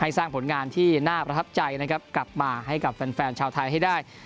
สร้างผลงานที่น่าประทับใจนะครับกลับมาให้กับแฟนชาวไทยให้ได้